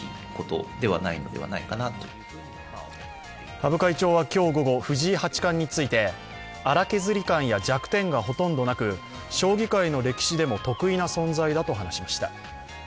羽生会長は今日午後、藤井八冠について荒削り感や弱点がほとんどなく将棋界の歴史でも特異な存在だと話しました。